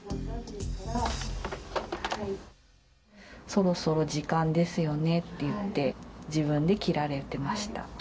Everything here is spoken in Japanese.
そろそろ時間ですよねって言って、自分で切られてました。